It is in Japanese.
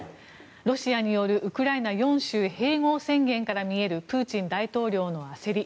ロシアによるウクライナ４州併合宣言から見えるプーチン大統領の焦り。